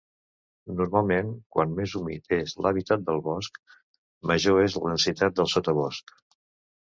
Normalment, quan més humit és l'hàbitat del bosc, major és la densitat del sotabosc.